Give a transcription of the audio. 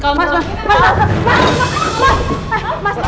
kalau mau apa mas hmm